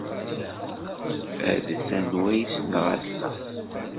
Ades anwa ay ssneɣ ass-a!